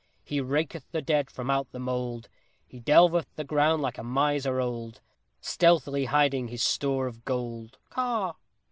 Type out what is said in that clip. He raketh the dead from out the mould; He delveth the ground like a miser old, Stealthily hiding his store of gold. _Caw!